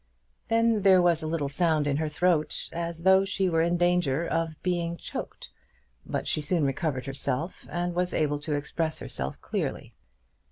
Then there was a little sound in her throat as though she were in some danger of being choked; but she soon recovered herself, and was able to express herself clearly.